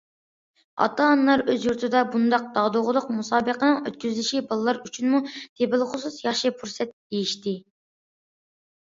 ئاتا- ئانىلار ئۆز يۇرتىدا بۇنداق داغدۇغىلىق مۇسابىقىنىڭ ئۆتكۈزۈلۈشى بالىلار ئۈچۈنمۇ تېپىلغۇسىز ياخشى پۇرسەت، دېيىشتى.